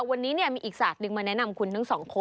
วันนี้มีอีกศาสตร์หนึ่งมาแนะนำคุณทั้งสองคน